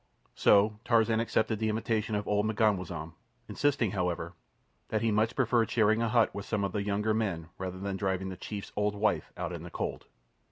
So Tarzan accepted the invitation of old M'ganwazam, insisting, however, that he much preferred sharing a hut with some of the younger men rather than driving the chief's old wife out in the cold.